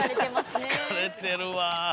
疲れてるわ。